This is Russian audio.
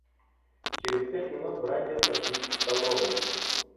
Через пять минут братья сошлись в столовой.